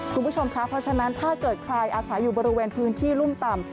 คุณผู้ชมค่ะเพราะฉะนั้นถ้าเกิดใครอาศัยอยู่บริเวณพื้นที่รุ่มต่ำ